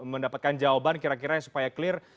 mendapatkan jawaban kira kira supaya clear